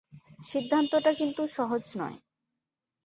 সিদ্ধান্তটা কিন্তু সহজ নয়।